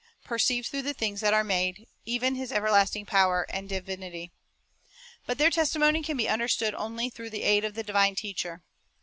.. perceived through the things that are made, even His everlasting power and divinity." 4 But their testimony can be understood only through the aid of the divine Teacher.